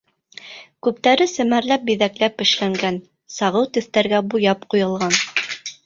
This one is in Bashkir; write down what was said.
Күптәре семәрләп-биҙәкләп эшләнгән, сағыу төҫтәргә буяп ҡуйылған.